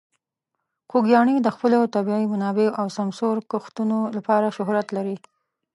خوږیاڼي د خپلو طبیعي منابعو او سمسور کښتونو لپاره شهرت لري.